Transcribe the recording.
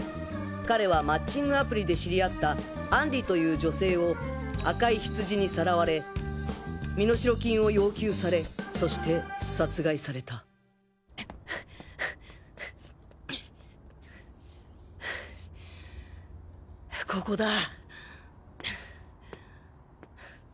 彼はマッチングアプリで知り合ったアンリという女性を赤いヒツジにさらわれ身代金を要求されそして殺害されたここだ。